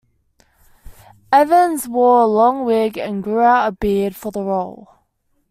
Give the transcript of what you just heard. Evans wore a long wig and grew out a beard for the role.